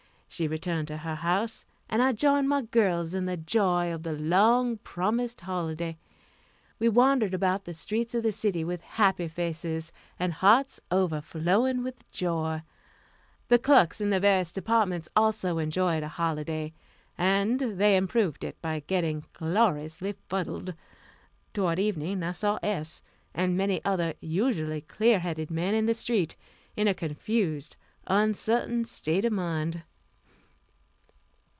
She returned to her house, and I joined my girls in the joy of the long promised holiday. We wandered about the streets of the city with happy faces, and hearts overflowing with joy. The clerks in the various departments also enjoyed a holiday, and they improved it by getting gloriously fuddled. Towards evening I saw S., and many other usually clear headed men, in the street, in a confused, uncertain state of mind.